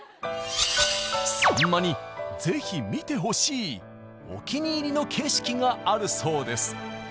さんまにぜひ見てほしいお気に入りの景色があるそうです。